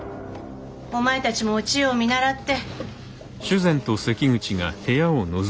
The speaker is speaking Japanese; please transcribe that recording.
お前たちもお千代を見習って。